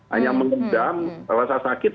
hanya mengundang perasa sakit